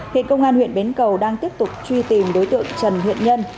hiện công an huyện bến cầu đang tiếp tục truy tìm đối tượng trần huyện nhân